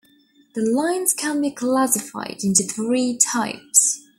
The lines can be classified into three types.